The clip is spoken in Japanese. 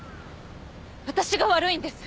私が悪いんです。